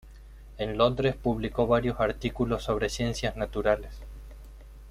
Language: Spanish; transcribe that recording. En Londres publicó varios artículos sobre ciencias naturales.